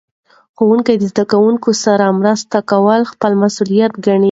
ښوونکي د زده کوونکو سره مرسته کول خپل مسؤلیت ګڼي.